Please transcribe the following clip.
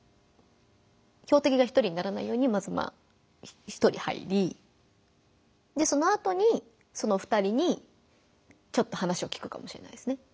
標的が１人にならないようにまずまあ１人入りそのあとにその２人にちょっと話を聞くかもしれないですね。